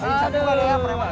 insap juga lu ya preman